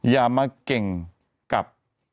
อย่ามาเก่งกับ